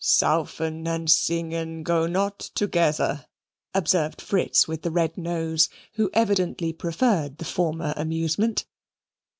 '" "Saufen and singen go not together," observed Fritz with the red nose, who evidently preferred the former amusement.